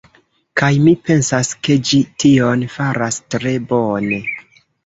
Kaj mi pensas ke ĝi tion faras tre bone.